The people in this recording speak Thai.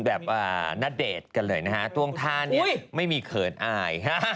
แบบน่าเดทกันเลยนะคะต้วงท่าไม่มีเขินอ้าย